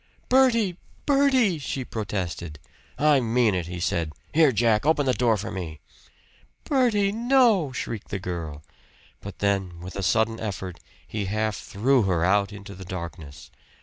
"Bertie! Bertie!" she protested. "I mean it!" he said. "Here Jack! Open the door for me." "Bertie! No!" shrieked the girl; but then with a sudden effort he half threw her out into the darkness.